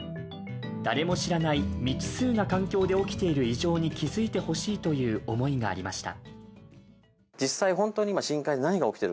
誰も知らない未知数な環境で起きている異常に気づいてほしいという思いがありました。